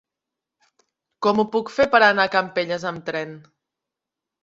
Com ho puc fer per anar a Campelles amb tren?